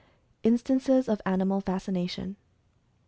INSTANCES OF ANIMAL FASCINATION.